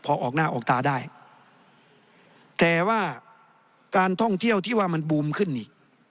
พอออกหน้าออกตาได้แต่ว่าการท่องเที่ยวที่ว่ามันบูมขึ้นอีก